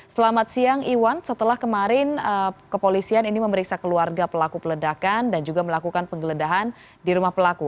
selamat siang iwan setelah kemarin kepolisian ini memeriksa keluarga pelaku peledakan dan juga melakukan penggeledahan di rumah pelaku